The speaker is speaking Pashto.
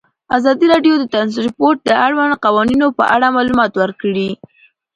ازادي راډیو د ترانسپورټ د اړونده قوانینو په اړه معلومات ورکړي.